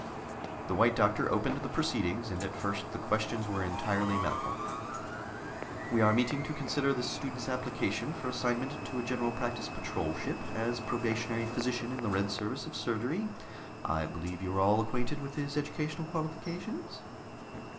The White Doctor opened the proceedings, and at first the questions were entirely medical. "We are meeting to consider this student's application for assignment to a General Practice Patrol ship, as a probationary physician in the Red Service of Surgery. I believe you are all acquainted with his educational qualifications?"